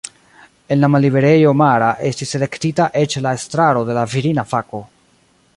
En la malliberejo Mara estis elektita eĉ la estraro de la virina fako.